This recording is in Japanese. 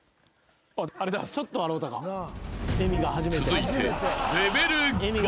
［続いて］